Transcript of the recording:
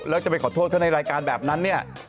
แล้วจะไปขอโทษเขาในรายการแบบนั้นเนี่ย